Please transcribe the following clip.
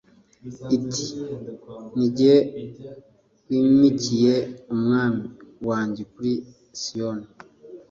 Iti ni jye wimikiye umwami wanjye kuri siyoni